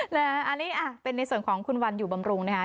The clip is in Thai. อันนี้เป็นในส่วนของคุณวันอยู่บำรุงนะคะ